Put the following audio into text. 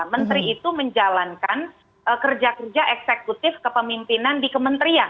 menteri itu menjalankan kerja kerja eksekutif kepemimpinan di kementerian